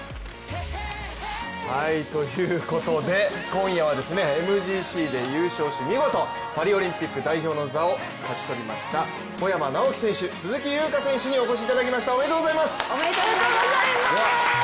ということで、今夜はＭＧＣで優勝し見事、パリオリンピック代表の座を勝ち取りました小山直樹選手、鈴木優花選手にお越しいただきました、おめでとうございます！